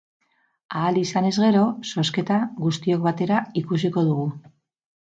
Ahal izanez gero, zozketa guztiok batera ikusiko dugu.